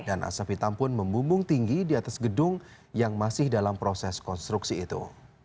dan asap hitam pun membumbung tinggi di atas gedung yang masih dalam proses konstruksi itu